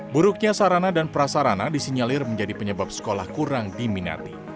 buruknya sarana dan prasarana disinyalir menjadi penyebab sekolah kurang diminati